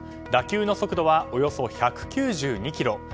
打球の速度はおよそ１９２キロ。